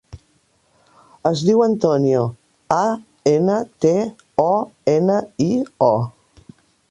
Es diu Antonio: a, ena, te, o, ena, i, o.